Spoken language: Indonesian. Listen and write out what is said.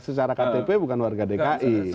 secara ktp bukan warga dki